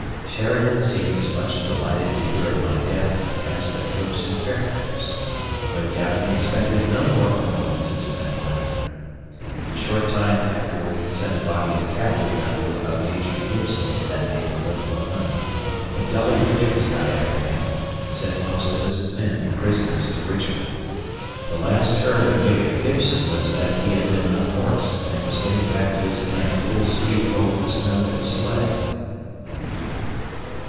Sheridan seemed as much delighted to hear of my death as the troops in Fairfax. No doubt he expected no more annoyances that winter. A short time afterward he sent a body of cavalry under a Major Gibson to that neighborhood one night, but Dolly Richards got after him and sent most of his men prisoners to Richmond. The last heard of Major Gibson was that he had been unhorsed and was getting back to his camp full speed over the snow in a sleigh.